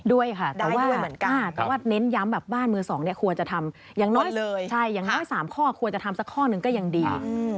ได้ด้วยค่ะแต่ว่าเน้นย้ำแบบบ้านมือสองเนี่ยควรจะทำอย่างน้อย๓ข้อควรจะทำสักข้อนึงก็ยังดี